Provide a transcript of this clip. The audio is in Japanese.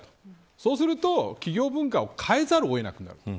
そうすると企業文化を変えざるを得なくなる。